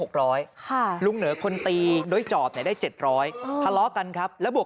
๖๐๐ค่ะลุงเหนือคนตีโดยจอบแต่ได้๗๐๐ทะเลาะกันครับแล้วบวก